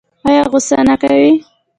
ایا غوسه نه کوي؟